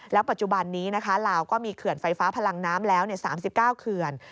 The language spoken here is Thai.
ปัจจุบันนี้นะคะลาวก็มีเขื่อนไฟฟ้าพลังน้ำแล้ว๓๙เขื่อน